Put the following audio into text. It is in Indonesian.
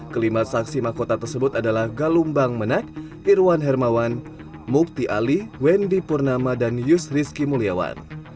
kelima saksi mahkota tersebut adalah galumbang menak irwan hermawan mukti ali wendy purnama dan yus rizky muliawan